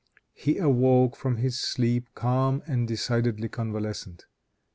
He awoke from his sleep calm and decidedly convalescent.